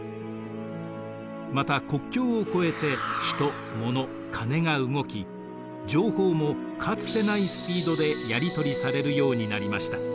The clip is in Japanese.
また国境を超えて人もの金が動き情報もかつてないスピードでやり取りされるようになりました。